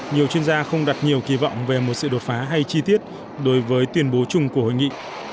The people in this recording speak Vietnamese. nhiều chuyên gia không đặt nhiều kỳ vọng về một sự đột phá hay chi tiết đối với tuyên bố chung của hội nghị